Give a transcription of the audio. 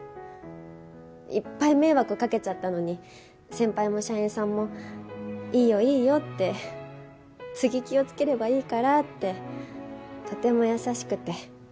いっぱい迷惑かけちゃったのに先輩も社員さんもいいよいいよって次気をつければいいからってとても優しくて。